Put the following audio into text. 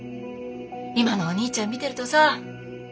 今のお兄ちゃん見てるとさ。